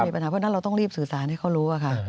เพราะฉะนั้นเราต้องรีบสื่อสารให้เขารู้ค่ะ